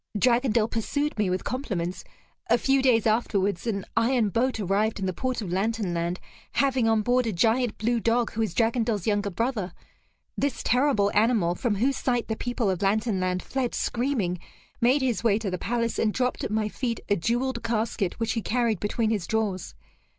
Dragondel pursued me with compliments. A few days afterwards, an iron boat arrived in the port of Lantern Land, having on board a giant blue dog who is Dragondel's younger brother. This terrible animal, from whose sight the people of Lantern Land fled screaming, made his way to the palace, and dropped at my feet a jeweled casket, which he carried between his jaws.